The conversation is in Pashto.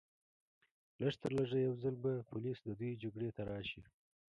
لږترلږه یو ځل به پولیس د دوی جګړې ته راشي